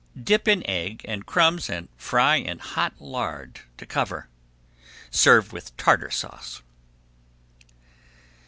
Dip in egg and crumbs and fry in hot lard to cover. Serve with Tartar Sauce.